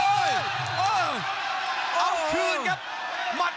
เอาคืนครับ